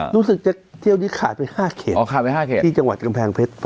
รู้สึกเที่ยวนี้ขาดไป๕เขตที่จังหวัดกำแพงเพชร